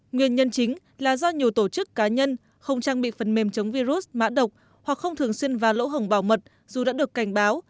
nguyên nhân chính là do nhiều tổ chức cá nhân không trang bị phần mềm chống virus mã độc hoặc không thường xuyên và lỗ hồng bảo mật dù đã được cảnh báo